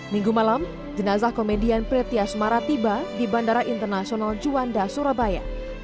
minggu malam jenazah komedian preti asmara tiba di bandara internasional juanda surabaya